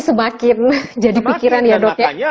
semakin jadi pikiran ya dok ya